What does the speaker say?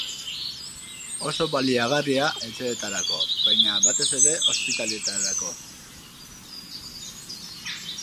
Oso baliagarria etxeetarako, baina batez ere, hospitaleetarako.